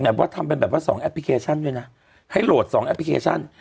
เหมือนว่าทำเป็นแบบว่า๒แอปพลิเคชันด้วยนะให้โหลด๒แอปพลิเคชัน